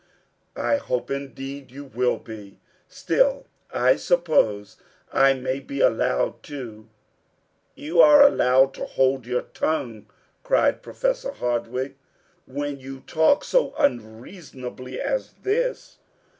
"I hope, indeed, you will, but still, I suppose I may be allowed to " "You are allowed to hold your tongue," cried Professor Hardwigg, "when you talk so unreasonably as this."